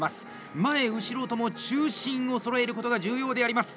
前、後ろとも中心をそろえることが重要であります。